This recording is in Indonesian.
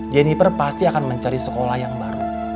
jenniper pasti akan mencari sekolah yang baru